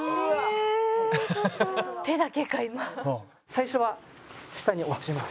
最初は下に落ちます。